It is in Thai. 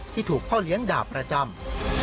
ที่ถูกพ่อเลี้ยงด่าประจำ